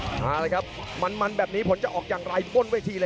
อโฮมาเลยครับมันแบบนี้พนจะออกอย่างไรลลี่ข้างบ้านเลยครับ